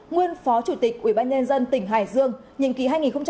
nguyên phó chủ tịch ubnd tỉnh hải dương nhiệm kỳ hai nghìn một mươi sáu hai nghìn hai mươi một